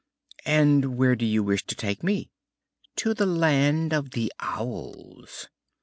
"And where do you wish to take me?" "To the land of the Owls."